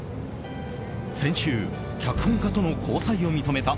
先週、脚本家との交際を認めた